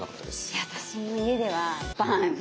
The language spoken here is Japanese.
いや私も家ではバーン。